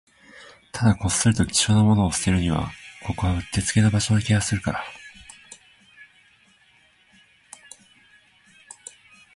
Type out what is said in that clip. ただ、こっそりと貴重なものを捨てるには、ここはうってつけな場所な気がするから